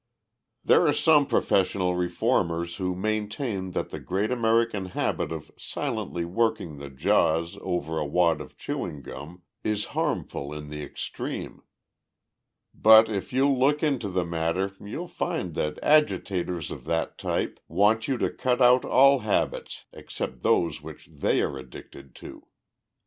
"There are some professional reformers who maintain that the great American habit of silently working the jaws over a wad of chewing gum is harmful in the extreme, but if you'll look into the matter you'll find that agitators of that type want you to cut out all habits except those which they are addicted to.